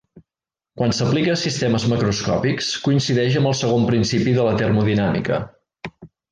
Quan s'aplica a sistemes macroscòpics coincideix amb el segon principi de la termodinàmica.